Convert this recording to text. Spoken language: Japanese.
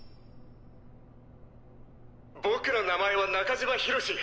僕の名前は中島敬史。